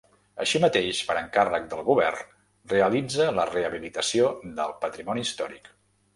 Així mateix, per encàrrec del govern realitza la rehabilitació del patrimoni històric.